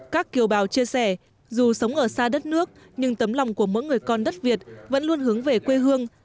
các kiều bào chia sẻ dù sống ở xa đất nước nhưng tấm lòng của mỗi người con đất việt vẫn luôn hướng về quê hương